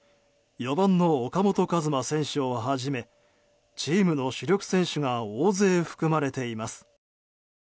４番の岡本和真選手をはじめチームの主力選手が大勢含まれています。